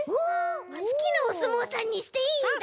すきなおすもうさんにしていいんだ！